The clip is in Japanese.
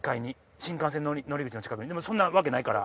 新幹線乗り口の近くにでもそんなわけないから。